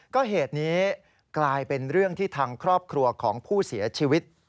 ก็เหตุนี้กลายเป็นเรื่องที่ทางครอบครัวของผู้เสียชีวิต